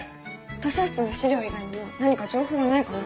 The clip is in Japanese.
図書室の史料以外にも何か情報はないかな？